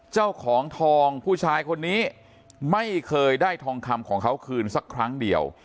เจ้าของทองผู้ชายคนนี้ไม่เคยได้ทองคำของเขาคืนสักครั้งเดียว